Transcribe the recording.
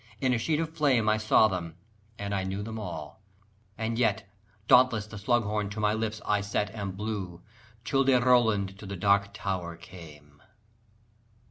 in a sheet of flame I saw them and I knew them all. And yet Dauntless the slug horn to my lips I set And blew, "Childe Roland to the Dark Tower came."